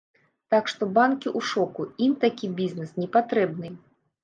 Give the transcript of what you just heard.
Так што банкі ў шоку, ім такі бізнес не патрэбны.